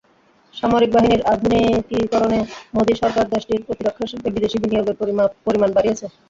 সামরিক বাহিনীর আধুনিকীকরণে মোদি সরকার দেশটির প্রতিরক্ষা শিল্পে বিদেশি বিনিয়োগের পরিমাণ বাড়িয়েছে।